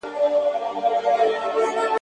نه پوهېږم پر دې لاره څرنګه ولاړم ,